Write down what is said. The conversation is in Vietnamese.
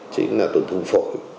chính là tổn thương phổi